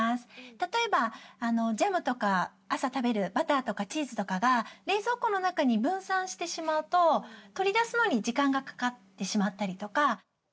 例えば、ジャムとか朝、食べるバターとかチーズとかが冷蔵庫の中に分散してしまうと、取り出すのに時間がかかってしまったりとか。